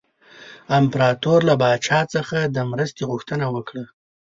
امپراطور له پاچا څخه د مرستې غوښتنه وکړه.